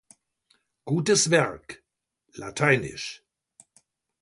Gutes Werk, lat.